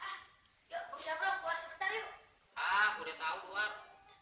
hai ah ya bung jabang keluar sebentar yuk ah udah tahu doang